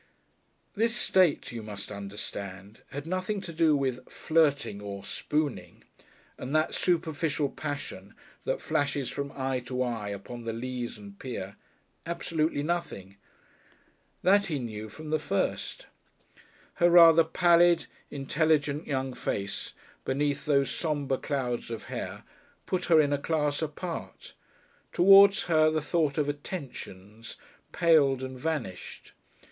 This state, you must understand, had nothing to do with "flirting" or "spooning" and that superficial passion that flashes from eye to eye upon the leas and pier absolutely nothing. That he knew from the first. Her rather pallid, intelligent young face, beneath those sombre clouds of hair, put her in a class apart; towards her the thought of "attentions" paled and vanished.